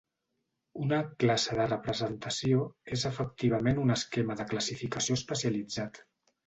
Una "classe de representació" és efectivament un esquema de classificació especialitzat.